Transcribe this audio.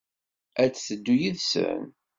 Ad d-teddu yid-sen?